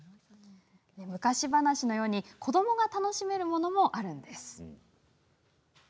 昔話のように子どもが楽しめるものもあるんです。